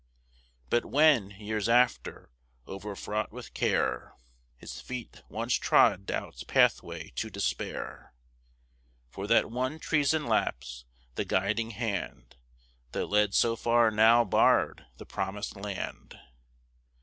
But when, years after, overfraught with care, His feet once trod doubt's pathway to despair, For that one treason lapse, the guiding hand That led so far now barred the promised land.